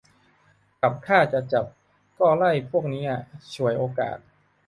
กับถ้าจะจับก็ไล่พวกนี้อะ ฉวยโอกาส